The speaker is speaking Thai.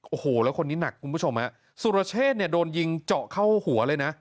โอ้โหแล้วคนนี้หนักคุณผู้ชมฮะสุรเชษเนี่ยโดนยิงเจาะเข้าหัวเลยนะ